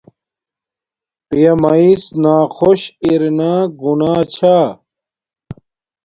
پیامیس ناخوش ارنا گناہ چھا